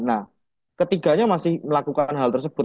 nah ketiganya masih melakukan hal tersebut